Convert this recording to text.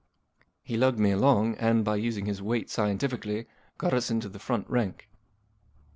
He lugged me along and, by using his weight scientifically, got us into the front rank.